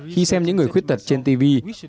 khi xem những người khuyết tật trên tv